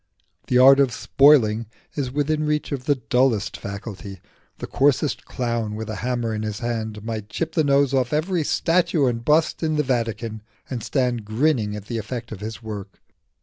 The art of spoiling is within reach of the dullest faculty: the coarsest clown with a hammer in his hand might chip the nose off every statue and bust in the Vatican, and stand grinning at the effect of his work.